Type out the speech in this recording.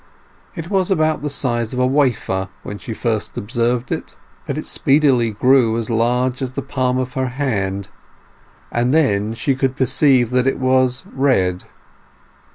It was about the size of a wafer when she first observed it, but it speedily grew as large as the palm of her hand, and then she could perceive that it was red.